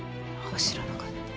知らなかった。